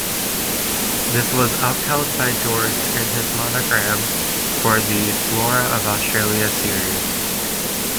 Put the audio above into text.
This was upheld by George in his monograph for the "Flora of Australia" series.